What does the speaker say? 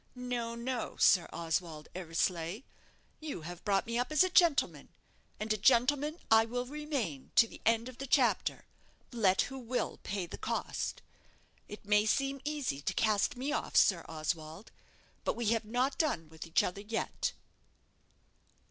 No, no, Sir Oswald Eversleigh; you have brought me up as a gentleman, and a gentleman I will remain to the end of the chapter, let who will pay the cost. It may seem easy to cast me off, Sir Oswald; but we have not done with each other yet."